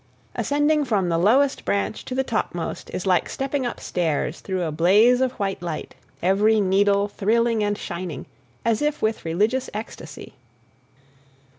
Ascending from the lowest branch to the topmost is like stepping up stairs through a blaze of white light, every needle thrilling and shining as if with religious ecstasy.